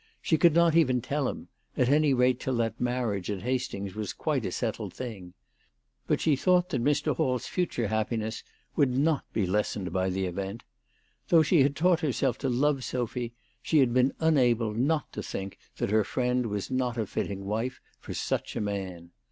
She could not even tell him, at any rate till that marriage at Hastings was quite a settled thing. But she thought that Mr. HalPs future happiness would not be lessened by the event. Though she had taught herself to love Sophy, she had been unable not to think that her friend was not a fitting wife for such a man.